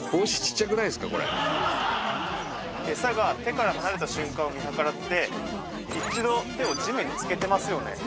エサが手から離れた瞬間を見計らって一度手を地面につけてますよね